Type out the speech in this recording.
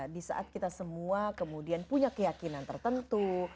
di saat kita semua kemudian punya keyakinan tertentu